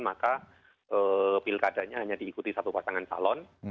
maka pilkadanya hanya diikuti satu pasangan calon